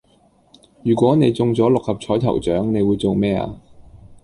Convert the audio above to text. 如果你中咗六合彩頭獎你會做咩呀